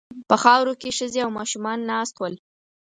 په خاورو کې ښځې او ماشومان ناست ول.